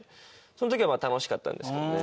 その時は楽しかったんですけどね